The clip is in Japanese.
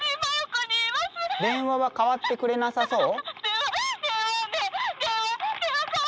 電話は代わってくれなさそう？